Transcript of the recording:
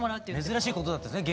珍しいことだったですよね。